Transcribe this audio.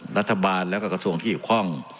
รัฐบาลแล้วก็กระทรวงที่เกี่ยวข้อง